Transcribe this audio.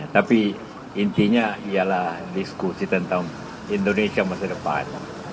tapi intinya ialah diskusi tentang indonesia masa depan